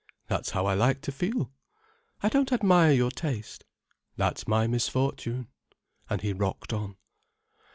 "That's how I like to feel." "I don't admire your taste." "That's my misfortune." And he rocked on.